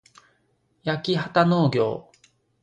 やきはたのうぎょう